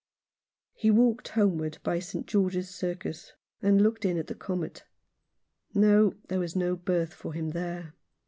He walked homeward by St. George's Circus, and looked in at the Comet. No, there was no berth for him there.